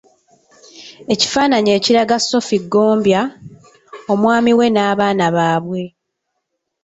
Ekifaananyi ekiraga Sophie Ggombya, omwami we n’abaana baabwe.